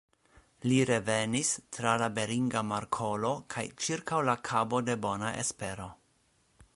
Li revenis tra la Beringa Markolo kaj ĉirkaŭ la Kabo de Bona Espero.